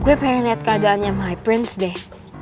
gue pengen liat keadaannya my prince deh